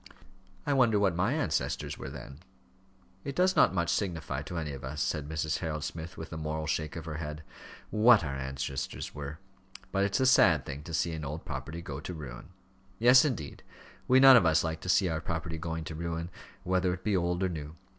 "I wonder what my ancestors were then?" "It does not much signify to any of us," said Mrs. Harold Smith, with a moral shake of her head, "what our ancestors were; but it's a sad thing to see an old property go to ruin." "Yes, indeed; we none of us like to see our property going to ruin, whether it be old or new.